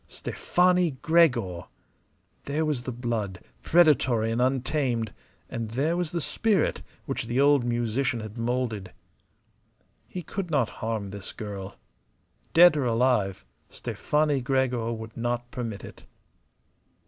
Stefani Gregor! There was the blood, predatory and untamed; and there was the spirit which the old musician had moulded. He could not harm this girl. Dead or alive, Stefani Gregor would not permit it.